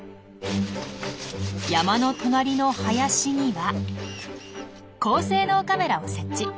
山の隣の林には高性能カメラを設置。